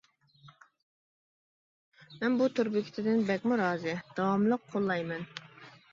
مەن بۇ تور بېكىتىدىن بەكمۇ رازى، داۋاملىق قوللايمەن.